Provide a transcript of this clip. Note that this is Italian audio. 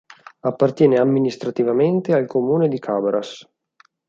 Appartiene amministrativamente al comune di Cabras.